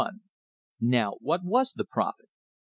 Now what was the profit?